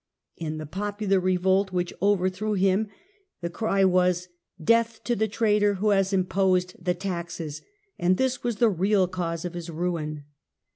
In the popular revolt which overthrew him, the cry was " Death to the traitor who has imposed the taxes," and this was the real cause of his ruin.